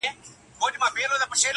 نوم چي د ښکلا اخلي بس ته به یې-